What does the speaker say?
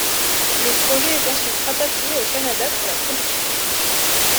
Le projet est ensuite rapatrié au Canada pour la production.